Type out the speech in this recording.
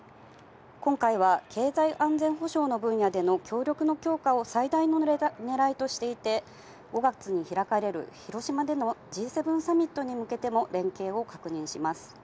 今回は経済安全保障の分野での協力の強化を最大のねらいとしていて、５月に開かれる広島でのＧ７サミットに向けても連携を確認します。